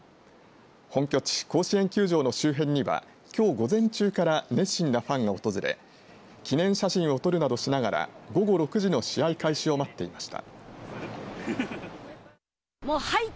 本拠地、甲子園球場の周辺にはきょう午前中から熱心なファンが訪れ記念写真を撮るなどしながら午後６時の試合開始を待っていました。